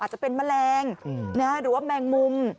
จะเป็นแมลงหรือว่าแมงมุม